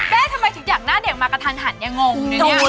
แม่ทำไมถึงอยากหน้าเด็กมากระทันเนี่ยงงด้วยเนี่ย